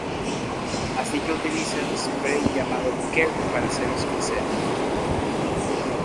Así que utiliza un spray llamado Kelp para hacerlos crecer.